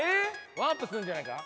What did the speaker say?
ワープするんじゃないか？